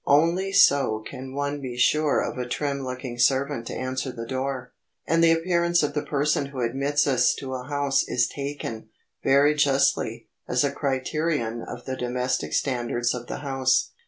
Only so can one be sure of a trim looking servant to answer the door. And the appearance of the person who admits us to a house is taken, very justly, as a criterion of the domestic standards of the house.